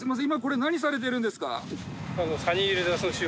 今これ何されてるんですか？